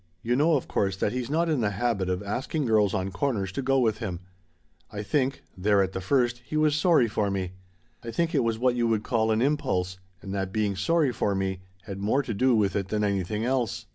You know, of course, that he's not in the habit of asking girls on corners to go with him. I think there at the first he was sorry for me. I think it was what you would call an impulse and that being sorry for me had more to do with it than anything else.